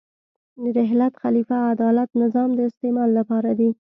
رحلت، خلیفه، عدالت، نظام د استعمال لپاره دي.